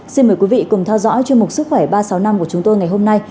xin mời quý vị cùng theo dõi chương mục sức khỏe ba trăm sáu mươi năm của chúng tôi ngày hôm nay